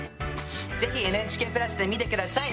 是非ＮＨＫプラスで見て下さい。